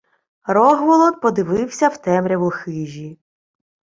Рогволод подивився в темряву хижі..